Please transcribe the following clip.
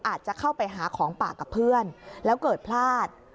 อาจจะเข้าไปหาของป่ากับเพื่อนแล้วเกิดพลาด